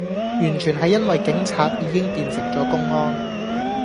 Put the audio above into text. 完全係因為警察已經變成左公安